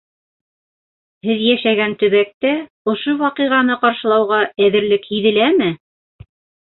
Һеҙ йәшәгән төбәктә ошо ваҡиғаны ҡаршылауға әҙерлек һиҙеләме?